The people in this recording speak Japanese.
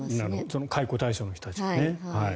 その解雇対象の人たちがね。